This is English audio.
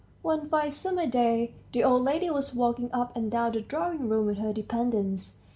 ... One fine summer day the old lady was walking up and down the drawing room with her dependants.